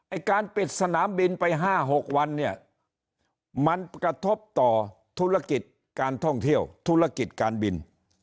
การปิดสนามบินไป๕๖วันเนี่ยมันกระทบต่อธุรกิจการท่องเที่ยวธุรกิจการบิน